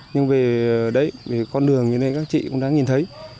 nhưng về đấy về con đường như thế các chị cũng đã nhìn thấy